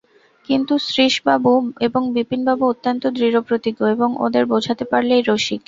কিন্তু শ্রীশবাবু এবং বিপিনবাবু অত্যন্ত দৃঢ়প্রতিজ্ঞ, এখন ওঁদের বোঝাতে পারলেই– রসিক।